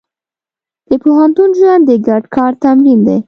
د پوهنتون ژوند د ګډ کار تمرین دی.